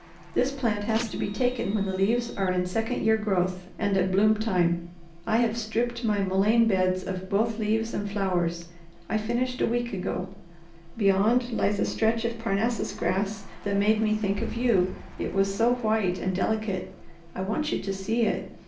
This plant has to be taken when the leaves are in second year growth and at bloom time. I have stripped my mullein beds of both leaves and flowers. I finished a week ago. Beyond lies a stretch of Parnassus grass that made me think of you, it was so white and delicate. I want you to see it.